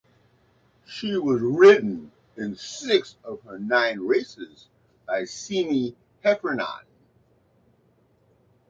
She was ridden in six of her nine races by Seamie Heffernan.